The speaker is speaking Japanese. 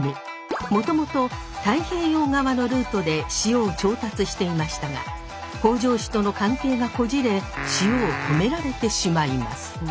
もともと太平洋側のルートで塩を調達していましたが北条氏との関係がこじれ塩を止められてしまいます。